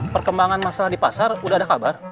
perkembangan masalah di pasar udah ada kabar